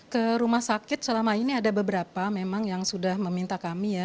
ke rumah sakit selama ini ada beberapa memang yang sudah meminta kami ya